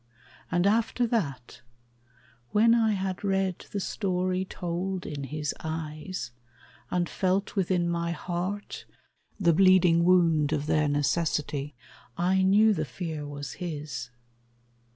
And after that, when I had read the story Told in his eyes, and felt within my heart The bleeding wound of their necessity, I knew the fear was his.